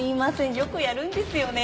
よくやるんですよね。